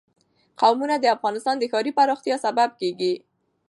قومونه د افغانستان د ښاري پراختیا سبب کېږي.